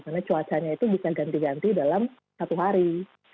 karena cuacanya itu bisa ganti ganti dalam satu hari